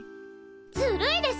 ずるいです！